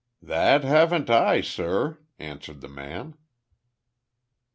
"That haven't I, sur," answered the man.